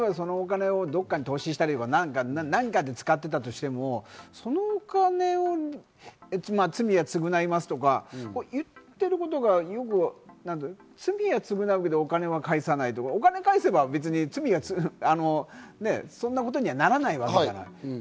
例えば、この金をどっかに投資したとか、何かで使っていたとしても、そのお金、罪は償いますとか、言っていることが罪は償うけどお金は返さない、お金を返せばそんなことにはならないわけだから。